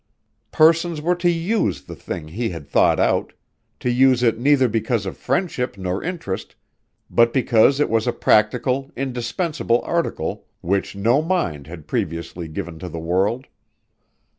Persons were to use the thing he had thought out, to use it neither because of friendship nor interest, but because it was a practical, indispensable article which no mind had previously given to the world.